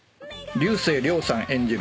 「竜星涼さん演じる